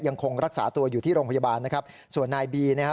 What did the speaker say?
ยังคงรักษาตัวอยู่ที่โรงพยาบาลนะครับส่วนนายบีนะฮะ